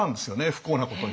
不幸なことに。